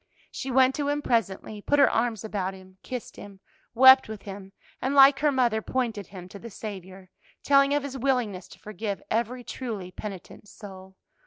She went to him presently, put her arms about him, kissed him, wept with him, and like her mother pointed him to the Saviour, telling of His willingness to forgive every truly penitent soul.